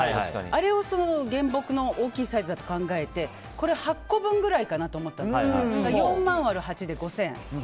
あれを原木の大きいサイズだと考えてこれ８個分くらいかなと考えて４万割る８で５０００円。